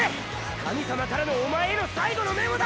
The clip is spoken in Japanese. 神様からのおまえへの最後のメモだ！